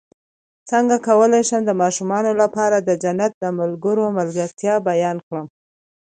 څنګه کولی شم د ماشومانو لپاره د جنت د ملګرو ملګرتیا بیان کړم